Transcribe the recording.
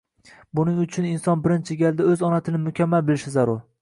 Buning uchun inson birinchi galda o‘z ona tilini mukammal bilishi zarur.